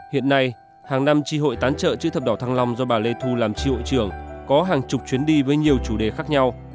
hiện nay hàng năm tri hội tán trợ chữ thập đỏ thăng long do bà lê thu làm tri hội trưởng có hàng chục chuyến đi với nhiều chủ đề khác nhau